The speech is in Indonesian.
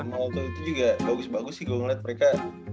yang normal tuh juga bagus bagus sih gue ngeliat mereka